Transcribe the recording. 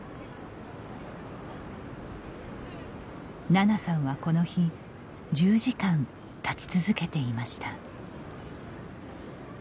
ななさんは、この日１０時間、立ち続けていました。